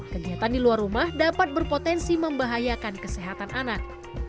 kegiatan di luar rumah dapat berpotensi membahayakan kesehatan anak